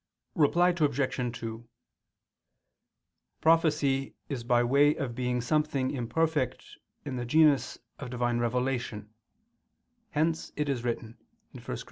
Reply Obj. 2: Prophecy is by way of being something imperfect in the genus of Divine revelation: hence it is written (1 Cor.